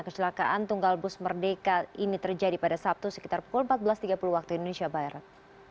kecelakaan tunggal bus merdeka ini terjadi pada sabtu sekitar pukul empat belas tiga puluh waktu indonesia barat